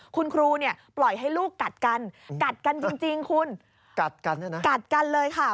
คุณครูเนี่ยปล่อยให้ลูกกัดกันกัดกันจริงคุณกัดกันเนี่ยนะกัดกันเลยค่ะ